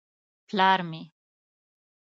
_ پلار مې.